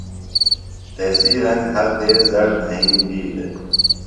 تسی رنگ ہر دیس زڑ بھئیم بی دےۡ۔